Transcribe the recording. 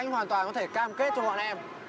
hoàn toàn có thể cam kết cho bọn em